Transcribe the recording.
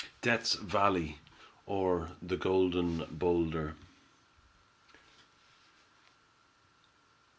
DEATH'S VALLEY; OR, THE GOLDEN BOULDER.